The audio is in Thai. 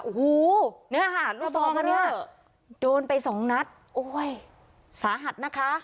โอ้โหเนื้อหาดลูกซองมาเนี่ยโดนไปสองนัดโอ้ยสาหัสนะคะ